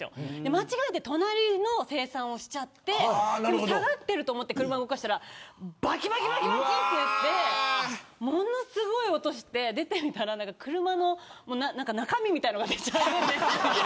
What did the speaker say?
間違えて隣の精算をしちゃって下がっていると思って車を動かしたらバキバキバキといってものすごい音がして、出てみたら車の中身みたいなのが出ちゃってて。